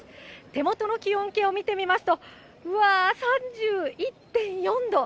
手元の気温計を見てみますと、うわー、３１．４度。